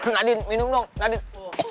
nadin minum dong nadin